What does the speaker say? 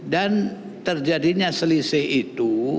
dan terjadinya selisih itu